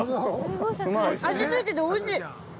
味ついてておいしい。